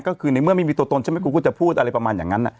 ก็คือในเมื่อไม่มีตัวตนใช่ไหมกูก็จะพูดอะไรประมาณอย่างนั้น